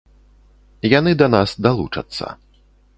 Яны да нас далучацца.